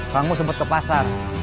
kang mus sempat ke pasar